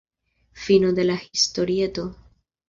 Fino de la historieto.